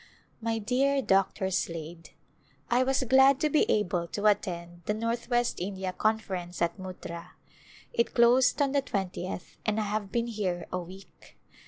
AiY DEAR Dr. Slade : I was glad to be able to attend the Northwest India Conference at Muttra. It closed on the twentieth and I have been here a week.